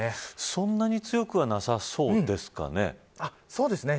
そんなに強くはなさそうですかね。